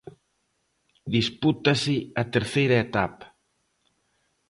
Dispútase a terceira etapa.